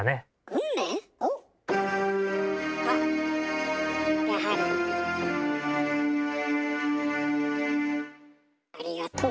ありがとう。